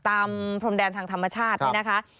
ตามพรมแดนทางธรรมชาตินะคะ